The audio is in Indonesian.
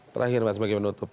terakhir mas bagaimana tuk